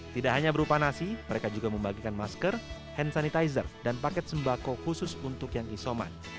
tidak hanya berupa nasi mereka juga membagikan masker hand sanitizer dan paket sembako khusus untuk yang isoman